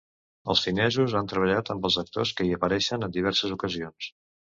Els finesos han treballat amb els actors que hi apareixen en diverses ocasions.